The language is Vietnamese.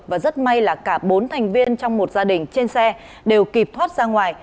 và rất may là cả bốn thành viên trong một gia đình trên xe đều kịp thoát ra ngoài